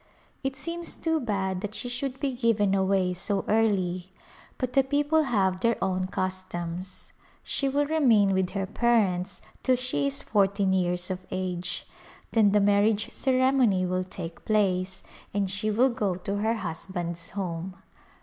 It seems too bad that she should be given away so early, but the people have their own customs. She will remain with her parents till she is fourteen years of age, then the marriage ceremony will take place and she will go to her husband's home.